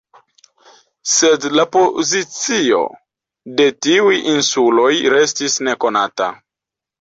Sed la pozicio de tiuj insuloj restis nekonata.